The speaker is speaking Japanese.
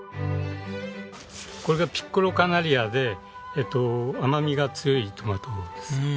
これがピッコラカナリアでえっと甘みが強いトマトです。